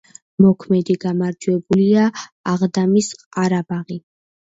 მოქმედი გამარჯვებულია აღდამის „ყარაბაღი“.